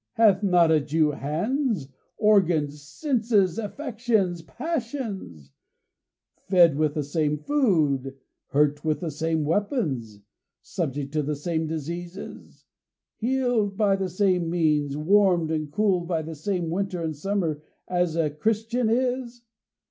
Hath not a Jew hands, organs, senses, affections, passions? Fed with the same food, hurt with the same weapons, subject to the same diseases, healed by the same means, warmed and cooled by the same winter and summer, as a Christian is?